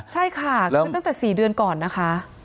ใช่ค่ะคือตั้งแต่๔เดือนก่อนนะคะ